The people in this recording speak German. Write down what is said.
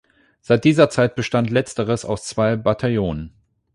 Seit dieser Zeit bestand letzteres aus zwei Bataillonen.